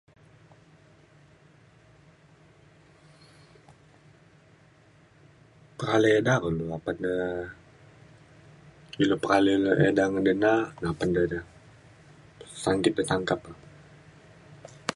pekalei ida kulu apan de ilu pekalai le ida ngan dena apan de de sangki5 petangkap e